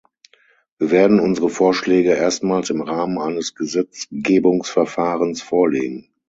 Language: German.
Wir werden unsere Vorschläge erstmals im Rahmen eines Gesetzgebungsverfahrens vorlegen.